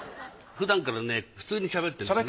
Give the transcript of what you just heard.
ふだんからね普通にしゃべってるんですね。